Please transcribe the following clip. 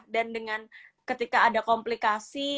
dan dengan ketika ada komplikasi